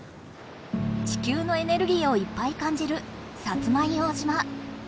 地球のエネルギーをいっぱい感じる薩摩硫黄島。